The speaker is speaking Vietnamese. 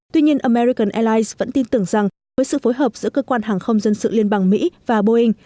tuy nhiên american airlines vẫn tin tưởng rằng với sự phối hợp giữa cơ quan hàng không dân sự liên bang mỹ và boeing